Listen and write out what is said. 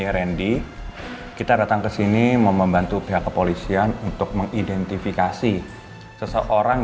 randy kita datang ke sini membantu pihak kepolisian untuk mengidentifikasi seseorang